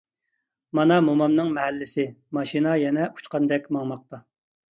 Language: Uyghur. مانا مومامنىڭ مەھەللىسى، ماشىنا يەنە ئۇچقاندەك ماڭماقتا.